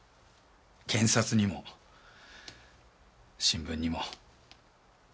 検察にも新聞にも。